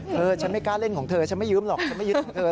ฉันไม่กล้าเล่นของเธอฉันไม่ยืมหรอกฉันไม่ยึดของเธอ